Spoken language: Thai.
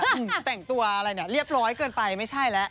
แต่งตัวอะไรเนี่ยเรียบร้อยเกินไปไม่ใช่แล้ว